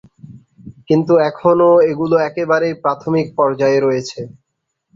কিন্তু এখনো এগুলো একেবারেই প্রাথমিক পর্যায়ে রয়েছে।